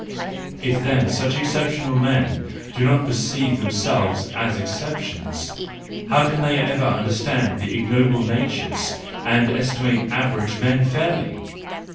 If then such exceptional men do not perceive themselves as exceptions, how can they ever understand the ignoble natures and estimate average men fairly!